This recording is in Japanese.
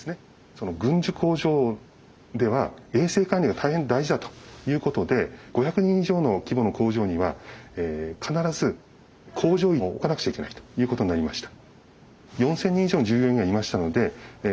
その軍需工場では衛生管理が大変大事だということで５００人以上の規模の工場には必ず工場医をおかなくちゃいけないということになりました。